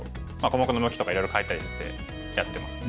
小目の向きとかいろいろ変えたりしてやってます。